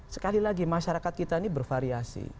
sekali lagi masyarakat kita ini bervariasi